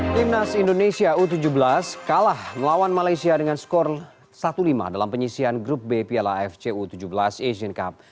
timnas indonesia u tujuh belas kalah melawan malaysia dengan skor satu lima dalam penyisian grup b piala fc u tujuh belas asian cup